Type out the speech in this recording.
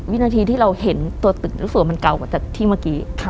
วินาทีที่เราเห็นตัวตึกแล้วสวนมันเก่ากว่าจากที่เมื่อกี้